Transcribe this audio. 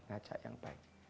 ngajak yang baik